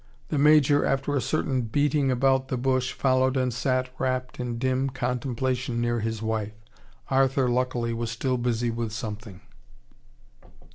The Major, after a certain beating about the bush, followed and sat wrapt in dim contemplation near his wife. Arthur luckily was still busy with something.